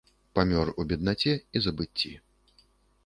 Памёр у беднаце і забыцці.